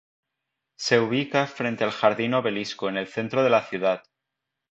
Se ubica frente al Jardín Obelisco en el centro de la ciudad.